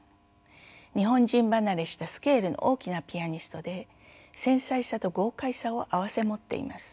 日本人離れしたスケールの大きなピアニストで繊細さと豪快さを併せ持っています。